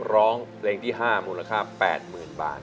ร้องเพลงที่๕มูลค่า๘๐๐๐บาท